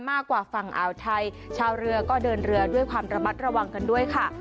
มากกว่าฝั่งอ่าวไทยชาวเรือก็เดินเรือด้วยความระมัดระวังกันด้วยค่ะ